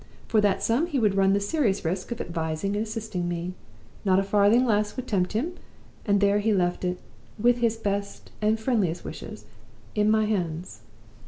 For that sum he would run the serious risk of advising and assisting me. Not a farthing less would tempt him; and there he left it, with his best and friendliest wishes, in my hands!